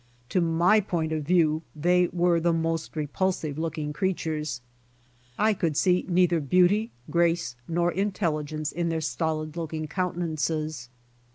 To my point of view they were the most repulsive looking creatures. I could see neither beauty, grace nor intelligence in their stolid looking countenances.